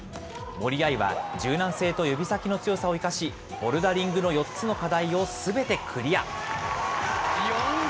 森秋彩は、柔軟性と指先の強さを生かし、ボルダリングの４つの課題をすべてクリア。